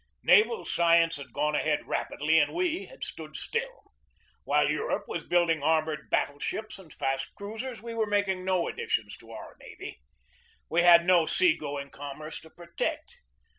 Naval science had gone ahead rapidly and we had stood still. While Europe was building armored battle ships and fast cruisers, we were making no additions to our navy. We had no sea going com merce to protect.